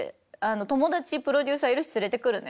友達プロデューサーいるし連れてくるね」。